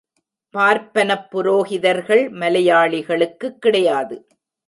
பார்ப்பனப் புரோகிதர்கள் மலையாளிகளுக்குக் கிடையாது.